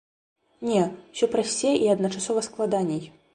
Не, усё прасцей і адначасова складаней.